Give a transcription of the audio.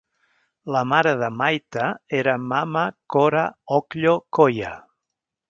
La mare de Mayta era Mama Cora Ocllo Coya.